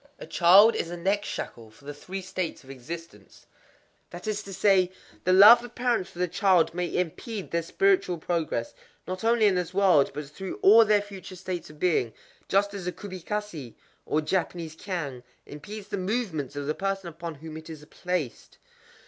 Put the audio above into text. _ A child is a neck shackle for the Three States of Existence. That is to say, The love of parents for their child may impede their spiritual progress—not only in this world, but through all their future states of being,—just as a kubikasé, or Japanese cangue, impedes the movements of the person upon whom it is placed.